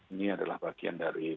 ini adalah bagian dari